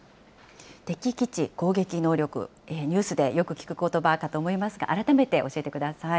敵基地攻撃能力、ニュースでよく聞くことばかと思いますが、改めて教えてください。